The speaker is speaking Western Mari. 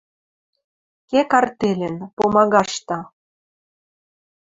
Кек артельӹн. Пумагашты